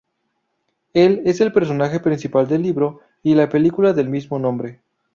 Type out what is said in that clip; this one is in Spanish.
Él es el personaje principal del libro y la película del mismo nombre.